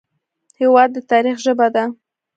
هېواد د تاریخ ژبه ده.